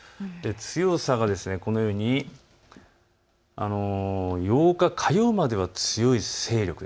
強さがこのように８日火曜までは強い勢力。